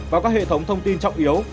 và các hệ thống thông tin trọng yếu